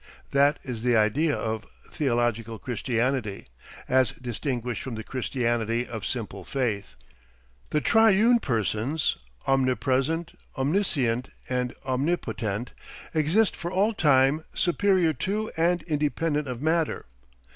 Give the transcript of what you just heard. That is the idea of theological Christianity, as distinguished from the Christianity of simple faith. The Triune Persons omnipresent, omniscient, and omnipotent exist for all time, superior to and independent of matter.